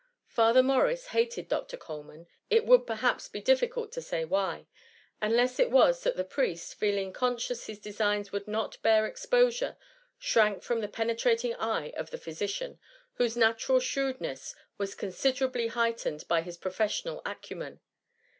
Father Morris hated Dr. Coleman, it would perhaps be difficult to say why ; unless it was that the priest, feeling conscious his designs would not bear exposure, shrank from the penetrating eye of thie phy ^ sician, whose natural shrewdness was consi derably heightened by his professional acumen.